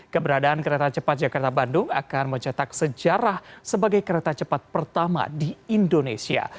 keberadaan kereta cepat jakarta bandung akan mencetak sejarah sebagai kereta cepat pertama di indonesia